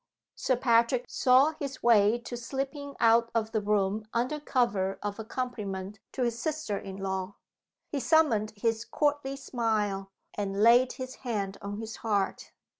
Sir Patrick saw his way to slipping out of the room under cover of a compliment to his sister in law. He summoned his courtly smile, and laid his hand on his heart.